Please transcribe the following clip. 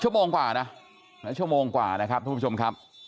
ชั่วโมงกว่านะชั่วโมงกว่านะครับทุกผู้ชมครับ